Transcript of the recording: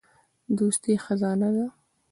دوستي خزانه ده.